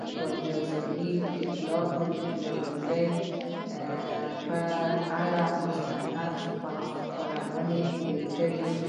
ازادي راډیو د اطلاعاتی تکنالوژي پر اړه مستند خپرونه چمتو کړې.